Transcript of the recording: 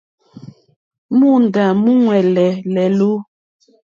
Móǒndá múúŋwɛ̀lɛ̀ lɛ̀lú.